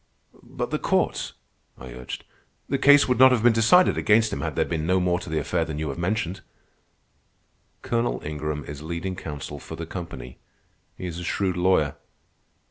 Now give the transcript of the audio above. "But the courts," I urged. "The case would not have been decided against him had there been no more to the affair than you have mentioned." "Colonel Ingram is leading counsel for the company. He is a shrewd lawyer."